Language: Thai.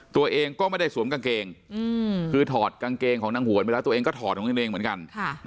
ตัวเองก็ไม่ได้สวมกางเกงคือถอดกางเกงของนางหวนไปแล้วตัวเองก็ถอดของกางเกงเหมือนกัน